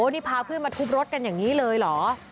นี่พาเพื่อนมาทุบรถกันอย่างนี้เลยเหรอ